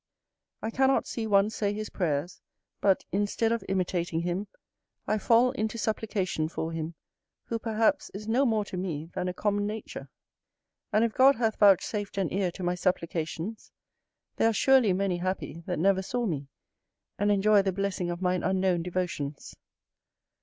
I cannot see one say his prayers, but, instead of imitating him, I fall into supplication for him, who perhaps is no more to me than a common nature: and if God hath vouchsafed an ear to my supplications, there are surely many happy that never saw me, and enjoy the blessing of mine unknown devotions.